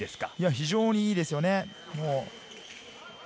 非常にいいですね。